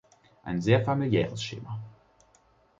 Ein sehr familiäres Schema.